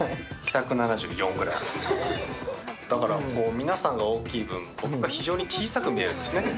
皆さんが大きい分、僕が非常に小さく見えるんですね。